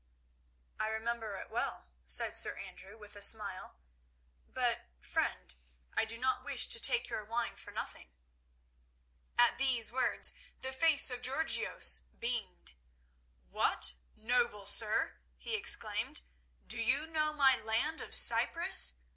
"I remember it well," said Sir Andrew, with a smile; "but, friend, I do not wish to take your wine for nothing." At these words the face of Georgios beamed. "What, noble sir," he exclaimed, "do you know my land of Cyprus?